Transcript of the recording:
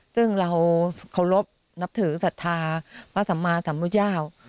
ซึ่งเราเคารพนับถือศรัทธาพระสัมมาสัมพุทธเจ้า